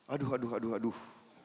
aduh aduh aduh aduh